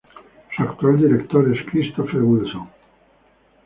Su actual director es Christopher Wilson.